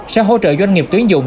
sẽ hỗ trợ doanh nghiệp tuyến dụng